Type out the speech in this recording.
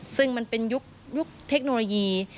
ซึ่งมันเป็นยุคเทคโนโลยี